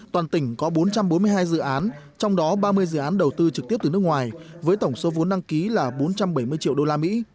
toàn tỉnh có bốn trăm bốn mươi hai dự án trong đó ba mươi dự án đầu tư trực tiếp từ nước ngoài với tổng số vốn đăng ký là bốn trăm bảy mươi triệu đô la mỹ